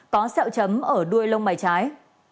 có sẹo chấm ở đuôi lông mày trái